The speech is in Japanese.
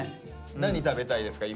何食べたいですか？